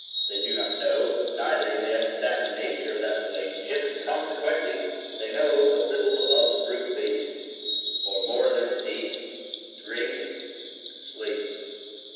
They do not know, neither do they understand the nature of that relationship; and consequently they know but little above the brute beast, or more than to eat, drink and sleep.